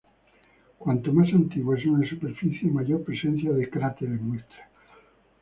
Cuanto más antigua es una superficie, mayor presencia de cráteres muestra.